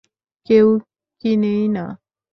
কেউ কিনেই না।